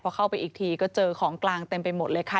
พอเข้าไปอีกทีก็เจอของกลางเต็มไปหมดเลยค่ะ